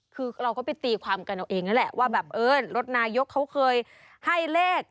คือเราก็ไปตีความกันเอาเองนั่นแหละว่าแบบเออรถนายกเขาเคยให้เลข